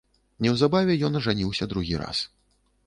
Неўзабаве ён ажаніўся другі раз.